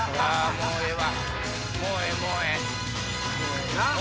もうええ。